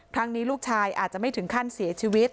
ครั้งนี้ลูกชายอาจจะไม่ถึงขั้นเสียชีวิต